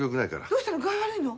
どうしたの？